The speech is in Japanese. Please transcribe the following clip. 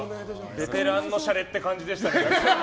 ベテランのシャレって感じでしたね。